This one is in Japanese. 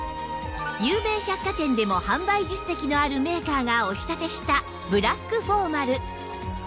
有名百貨店でも販売実績のあるメーカーがお仕立てしたブラックフォーマル